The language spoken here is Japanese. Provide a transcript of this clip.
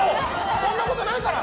そんなことないから！